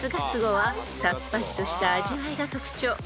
［さっぱりとした味わいが特徴］